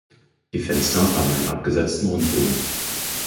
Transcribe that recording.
Die Fenster haben einen abgesetzten Rundbogen.